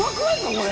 これ。